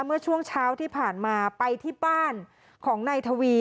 เมื่อช่วงเช้าที่ผ่านมาไปที่บ้านของนายทวี